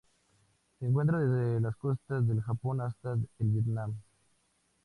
Se encuentra desde las costas del Japón hasta el Vietnam.